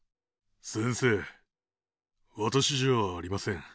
先生わたしじゃありません。